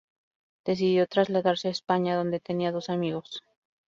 Decidió trasladarse a España, donde tenía dos amigos.